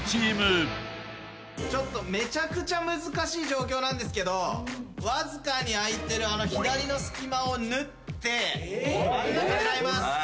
ちょっとめちゃくちゃ難しい状況なんですけどわずかに空いてる左の隙間を縫って真ん中狙います。